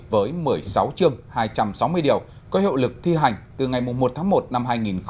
với một mươi sáu chương hai trăm sáu mươi điều có hiệu lực thi hành từ ngày một tháng một năm hai nghìn hai mươi